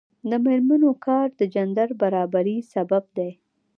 د میرمنو کار د جنډر برابري سبب دی.